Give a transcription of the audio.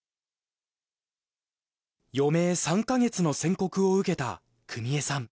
余命３か月の宣告を受けた久美江さん。